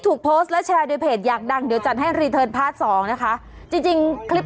ถูกโพสต์แล้วแชร์โดยเพจอยากดังเดี๋ยวจัดให้สองนะคะจริงจริงคลิป